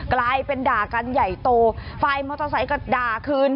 กลายเป็นด่ากันใหญ่โตฝ่ายมอเตอร์ไซค์ก็ด่าคืน